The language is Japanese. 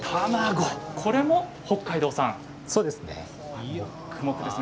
これも北海道産なんですね。